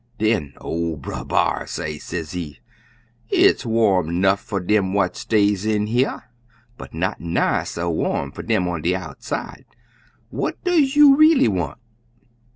Den ol' Brer B'ar say, sezee. 'It's warm nuff fer dem what stays in here, but not nigh so warm fer dem on de outside. What does you reely want?'